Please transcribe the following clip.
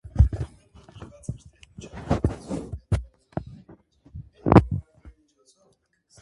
Ֆրանսերեն լեզվով այս բաժանումը հիշատակվում է որպես սեպտիեմ։